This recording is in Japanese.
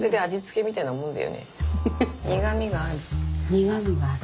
苦みがある。